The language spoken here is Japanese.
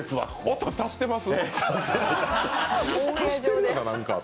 音、足してます？